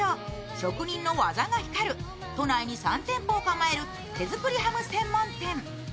職人の技が光る都内に３店舗を構える手作りハム専門店。